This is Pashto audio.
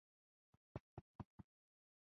د ګواتیلا پټېکس باټون سیمه یو ژوندی مثال دی.